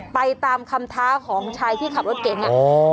ไปตามคำท้าของชายที่ขับรถเก๋ง